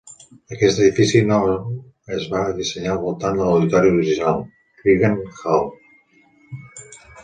Aquest edifici nou es va dissenyar al voltant de l'auditori original, Cringan Hall.